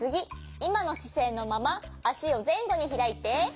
いまのしせいのままあしをぜんごにひらいて。